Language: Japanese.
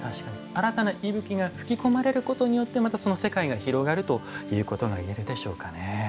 新たな息吹が吹き込まれることによってまたその世界が広がるということが言えるでしょうかね。